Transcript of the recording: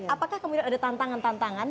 apakah kemudian ada tantangan tantangan